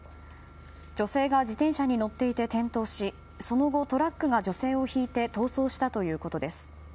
女性が自転車に乗っていて転倒しその後、トラックが女性をひいて逃走したということです。